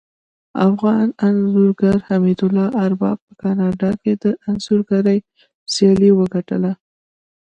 افغان انځورګر حمدالله ارباب په کاناډا کې د انځورګرۍ سیالي وګټله